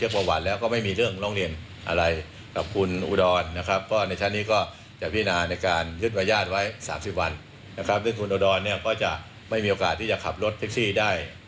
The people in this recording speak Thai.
พร้อมรับประวัติขึ้นที่ภูมิการส่งทำบบได้